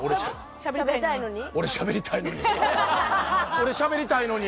俺しゃべりたいのに。